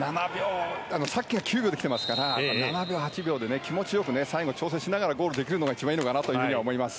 さっきは９秒で来てますから７秒、８秒で気持ち良く最後、調整しながらゴールできるのが一番いいのかなと思います。